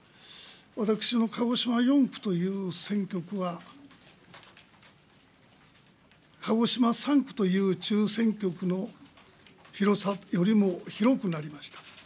私の鹿児島４区という選挙区は、鹿児島３区という中選挙区の広さよりも広くなりました。